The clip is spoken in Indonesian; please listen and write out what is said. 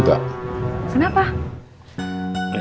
kok cuma makan mie